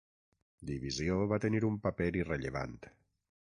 Divisió va tenir un paper irrellevant.